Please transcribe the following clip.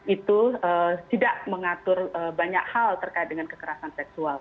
itu tidak mengatur banyak hal terkait dengan kekerasan seksual